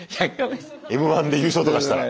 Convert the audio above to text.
「Ｍ−１」で優勝とかしたら。